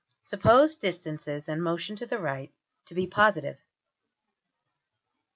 (Suppose distances and motion to the right to be positive.)